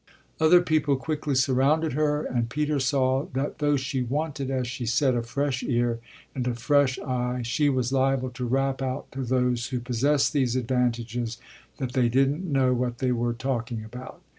Other people quickly surrounded her, and Peter saw that though, she wanted, as she said, a fresh ear and a fresh eye she was liable to rap out to those who possessed these advantages that they didn't know what they were talking about.